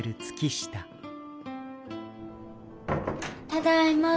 ただいま。